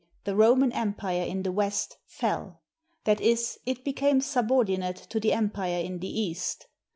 the Roman Empire in the West "fell"; that is, it became subordinate to the Empire in the East.